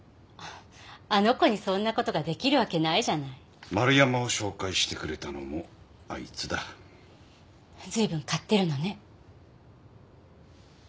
あの子にそんなことができるわけないじゃない丸山を紹介してくれたのもあいつだずいぶん買ってるのね